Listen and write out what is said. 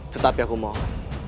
tetapi aku mohon